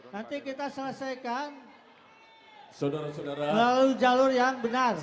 nanti kita selesaikan lalu jalur yang benar